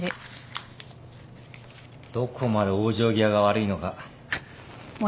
どこまで往生際が悪いのか。